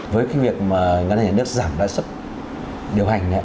với cái việc mà ngân hàng nhà nước giảm lãi suất điều hành